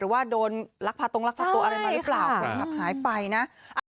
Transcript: ว่าโดนลักพาตรงลักพาตัวอะไรมาหรือเปล่าคนขับหายไปนะ